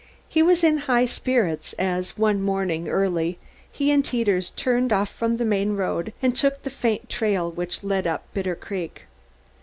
He was in high spirits as, one morning early, he and Teeters turned off from the main road and took the faint trail which led up Bitter Creek.